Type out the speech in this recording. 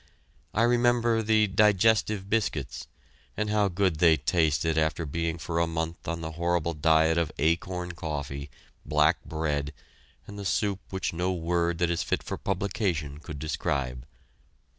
I remember the "Digestive Biscuits," and how good they tasted after being for a month on the horrible diet of acorn coffee, black bread, and the soup which no word that is fit for publication could describe.